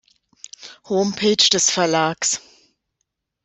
Homepage des Verlags